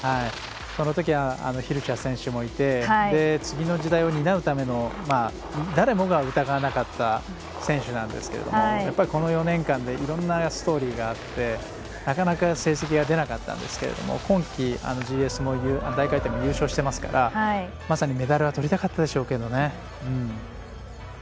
このときはヒルシャー選手もいて次の次代を担うためのそのことを誰もが疑わなかった選手なんですけどこの４年間でいろんなストーリーがあってなかなか成績が出なかったんですが今季ＧＳも大回転も優勝してますからまさにメダルはとりたかったでしょうけどね。